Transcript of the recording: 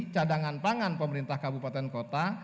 cadangan pangan pemerintah kabupaten kota